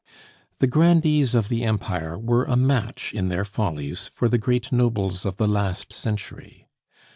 The grandees of the Empire were a match in their follies for the great nobles of the last century.